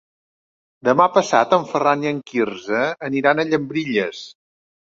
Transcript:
Demà passat en Ferran i en Quirze aniran a Llambilles.